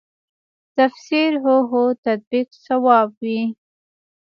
تفسیر هو هو تطبیق صواب وي.